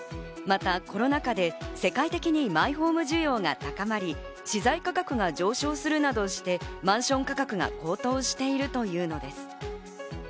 またコロナ禍で世界的にマイホーム需要が高まり、資材価格が上昇するなどしてマンション価格が高騰しているというのです。